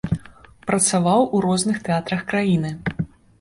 Працаваў у розных тэатрах краіны.